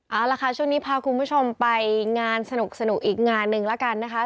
เอาละค่ะช่วงนี้พาคุณผู้ชมไปงานสนุกอีกงานหนึ่งแล้วกันนะคะ